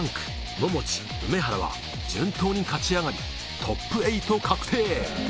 ももちウメハラは順当に勝ち上がりトップ８確定